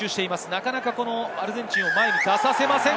なかなかアルゼンチンを前に出させません。